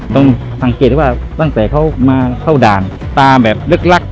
ต้องสังเกตว่าตั้งแต่เขามาเข้าด่านตาแบบลึกลัก